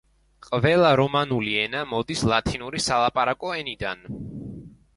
ყველა რომანული ენა მოდის ლათინური სალაპარაკო ენიდან.